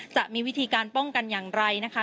จะมีวิธีการป้องกันอย่างไรนะคะ